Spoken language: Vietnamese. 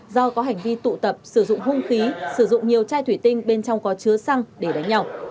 do có hành vi tụ tập sử dụng hung khí sử dụng nhiều chai thủy tinh bên trong có chứa xăng để đánh nhau